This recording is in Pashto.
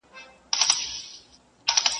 چي زه الوزم پر تاسي څه قیامت دی ..